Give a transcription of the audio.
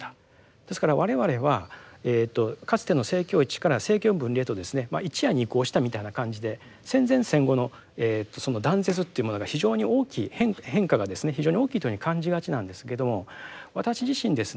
ですから我々はかつての政教一致から政教分離へとですね一夜に移行したみたいな感じで戦前戦後の断絶っていうものが非常に大きい変化がですね非常に大きいというふうに感じがちなんですけども私自身ですね